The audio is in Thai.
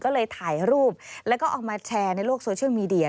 ก็เลยถ่ายรูปแล้วก็เอามาแชร์ในโลกโซเชียลมีเดีย